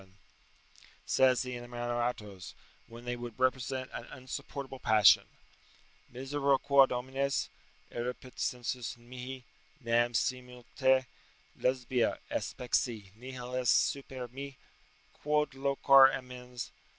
] say the Innamoratos, when they would represent an 'insupportable passion. "Misero quod omneis Eripit sensus mihi: nam simul te, Lesbia, aspexi, nihil est super mi, Quod loquar amens.